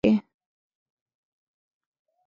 هغه کلاسلیک ادبي ژانرونه چې د فرانسې په انقلاب کې.